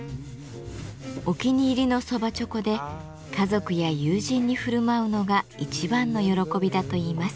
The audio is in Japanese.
お気に入りの蕎麦猪口で家族や友人に振る舞うのが一番の喜びだといいます。